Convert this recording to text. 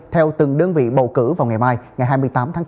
theo từng đơn vị bầu cử vào ngày mai ngày hai mươi tám tháng bốn